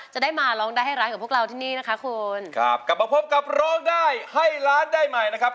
จะได้มาร้องได้ให้ร้านกับพวกเราที่นี่นะคะคุณครับกลับมาพบกับร้องได้ให้ล้านได้ใหม่นะครับ